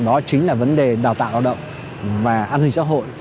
đó chính là vấn đề đào tạo lao động và an sinh xã hội